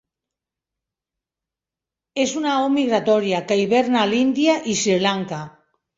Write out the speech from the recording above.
És una au migratòria, que hiverna a l'Índia i Sri Lanka.